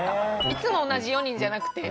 いつも同じ４人じゃなくて？